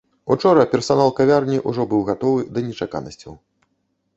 Учора персанал кавярні ўжо быў гатовы да нечаканасцяў.